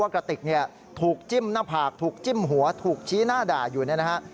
ว่ากะติกถูกจิ้มหน้าผากถูกจิ้มหัวถูกชี้หน้าด่าอยู่นะครับ